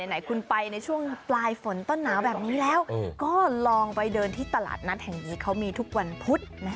ไหนคุณไปในช่วงปลายฝนต้นหนาวแบบนี้แล้วก็ลองไปเดินที่ตลาดนัดแห่งนี้เขามีทุกวันพุธ